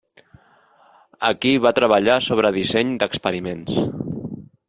Aquí va treballar sobre disseny d'experiments.